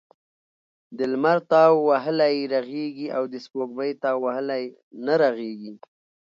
د لمر تاو وهلی رغیږي او دسپوږمۍ تاو وهلی نه رغیږی .